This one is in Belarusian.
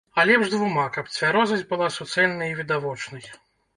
А лепш двума, каб цвярозасць была суцэльнай і відавочнай.